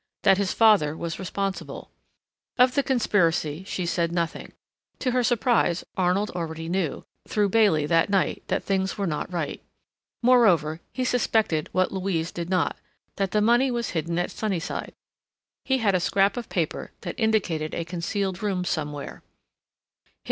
That his father was responsible. Of the conspiracy she said nothing. To her surprise, Arnold already knew, through Bailey that night, that things were not right. Moreover, he suspected what Louise did not, that the money was hidden at Sunnyside. He had a scrap of paper that indicated a concealed room somewhere.